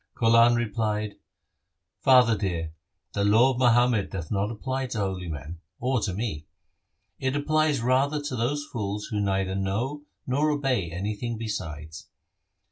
Kaulan replied, 'Father dear, the law of Muhammad doth not apply to holy men or to me. It applies rather to those fools who neither know nor obey anything besides.